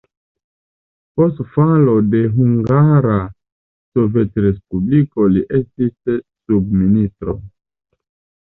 Post falo de Hungara Sovetrespubliko li estis subministro.